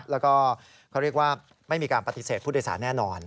แล้วก็เขาเรียกว่าไม่มีการปฏิเสธผู้โดยสารแน่นอน